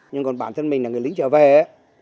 nhưng còn bản thân mình là người lính trở về á